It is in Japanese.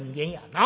な？